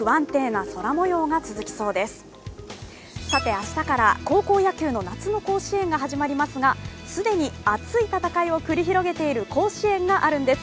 明日から高校野球の夏の甲子園が始まりますが既に熱い戦いを繰り広げている甲子園があるんです。